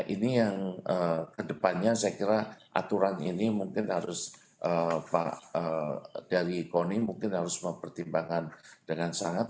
ini yang kedepannya saya kira aturan ini mungkin harus pak dari koni mungkin harus mempertimbangkan dengan sangat